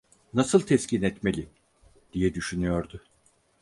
"Nasıl teskin etmeli?" diye düşünüyordu.